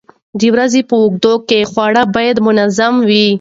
د ورځې په اوږدو کې خواړه باید منظم وي.